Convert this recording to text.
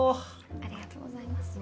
ありがとうございます。